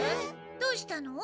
どうしたの？